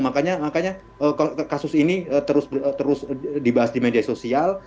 makanya kasus ini terus dibahas di media sosial